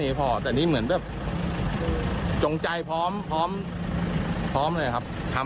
ดูว่ามันเหมือนรุนแรงไปใช่ไหม